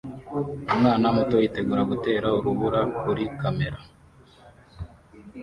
Umwana muto yitegura gutera urubura kuri kamera